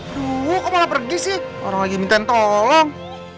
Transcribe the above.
aduh kok malah pergi sih orang lagi mintain tolong